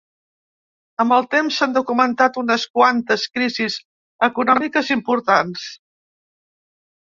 Amb el temps s’han documentat unes quantes crisis econòmiques importants.